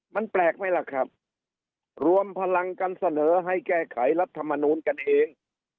มันแปลกไหมล่ะครับรวมพลังกันเสนอให้แก้ไขรัฐมนูลกันเอง